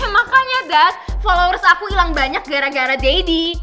makanya das followers aku hilang banyak gara gara deddy